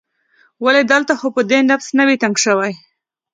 ولې؟ دلته خو به دې نفس نه وي تنګ شوی؟